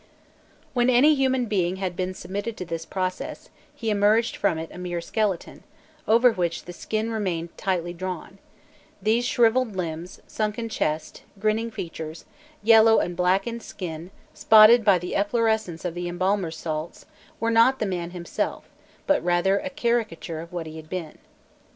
When any human being had been submitted to this process, he emerged from it a mere skeleton, over which the skin remained tightly drawn: these shrivelled limbs, sunken chest, grinning features, yellow and blackened skin spotted by the efflorescence of the embalmer's salts, were not the man himself, but rather a caricature of what he had been.